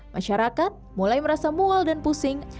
masyarakat mulai merasa mual dan pusing